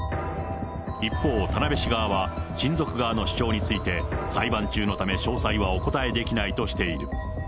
一方、田辺市側は親族側の主張について、裁判中のため詳細はお答えできないとしている。